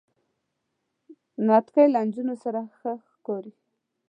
نتکۍ له نجونو سره ښه ښکاری.